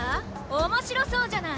面白そうじゃない？